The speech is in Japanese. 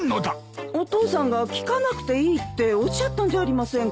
お父さんが聞かなくていいっておっしゃったんじゃありませんか。